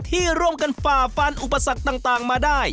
ที่ร่วมกันฝ่าฟันอุปสรรคต่างมาได้